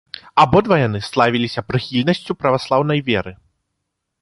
Абодва яны славіліся прыхільнасцю праваслаўнай веры.